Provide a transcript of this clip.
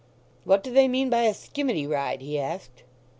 "What do they mean by a 'skimmity ride'?" he asked.